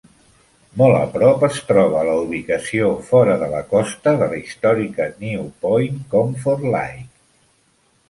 Molt a prop es troba la ubicació fora de la costa de la històrica New Point Comfort Light.